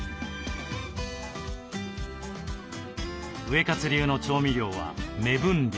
ウエカツ流の調味料は目分量。